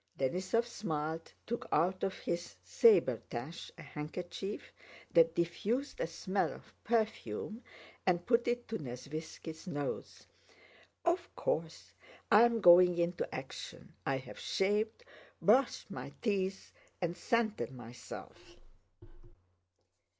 Denísov smiled, took out of his sabretache a handkerchief that diffused a smell of perfume, and put it to Nesvítski's nose. "Of course. I'm going into action! I've shaved, bwushed my teeth, and scented myself."